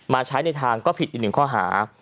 ใช้ในทางก็ผิดอีกหนึ่งข้อหา